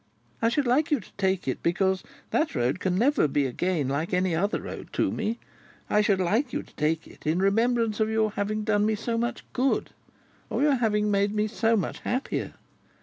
I should like you to take it, because that road can never be again, like any other road to me. I should like you to take it, in remembrance of your having done me so much good: of your having made me so much happier!